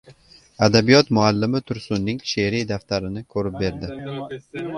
Adabiyot muallimi Tursunning she’riy daftarini ko‘rib berdi.